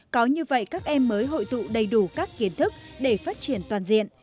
có như vậy các em mới hội tụ đầy đủ các kiến thức để phát triển toàn diện